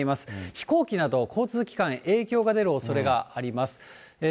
飛行機など、交通機関へ影響が出るおそれがあります。